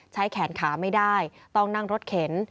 แขนขาไม่ได้ต้องนั่งรถเข็น